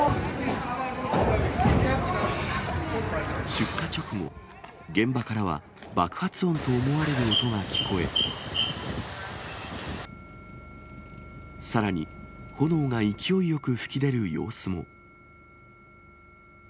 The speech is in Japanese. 出火直後、現場からは爆発音と思われる音が聞こえ、さらに炎が勢いよく噴き出る様子も。